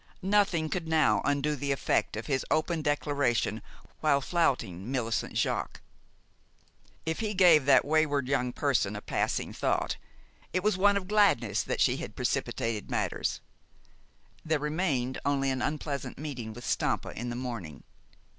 Nothing could now undo the effect of his open declaration while flouting Millicent Jaques. If he gave that wayward young person a passing thought, it was one of gladness that she had precipitated matters. There remained only an unpleasant meeting with Stampa in the morning.